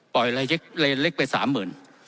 ปล่อยเลี่ยงเล็กเล็กไป๓๐๐๐๐บาท